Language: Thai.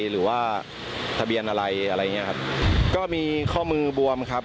หรือว่าทะเบียนอะไรอะไรอย่างเงี้ยครับก็มีข้อมือบวมครับ